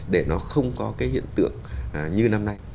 để nó không có cái hiện tượng như năm nay